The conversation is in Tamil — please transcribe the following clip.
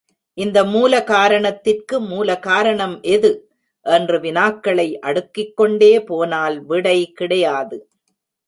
இந்த மூல காரணத்துக்கு மூல காரணம் எது? என்று வினாக்களை அடுக்கிக் கொண்டே போனால் விடை கிடையாது.